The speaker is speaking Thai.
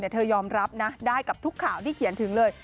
เธอยอมรับนะได้กับทุกข่าวที่เขียนถึงเลย